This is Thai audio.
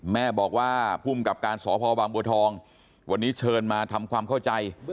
แม่บอกว่าภูมิกับการสพบางบัวทองวันนี้เชิญมาทำความเข้าใจ